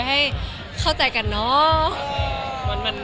ให้เข้าใจกันเนาะ